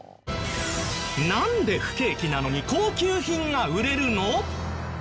なんで不景気なのに高級品が売れるの？